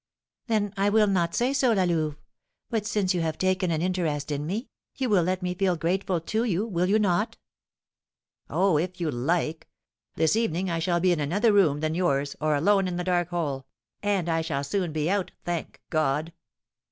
"Then I will not say so, La Louve; but since you have taken an interest in me, you will let me feel grateful to you, will you not?" "Oh, if you like! This evening, I shall be in another room than yours, or alone in the dark hole, and I shall soon be out, thank God!"